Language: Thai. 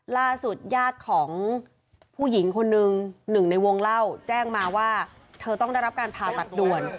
ล่าสุดญาติของผู้หญิงคนหนึ่งหนึ่งในวงเล่าแจ้งมาว่าเธอต้องได้รับการผ่าตัดด่วน